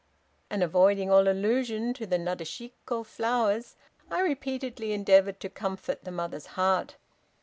And avoiding all allusion to the Nadeshiko flowers, I repeatedly endeavored to comfort the mother's heart.